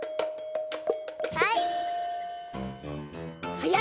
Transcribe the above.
はい！